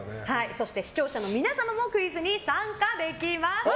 そして視聴者の皆様もクイズに参加できます。